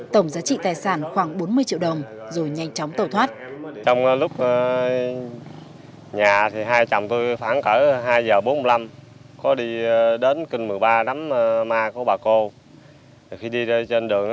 tổng giá trị tài sản khoảng bốn mươi triệu đồng